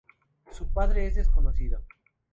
Su padre es desconocido.